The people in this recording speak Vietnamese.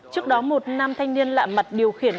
trước đó một nam thanh niên lạ mặt điều khiển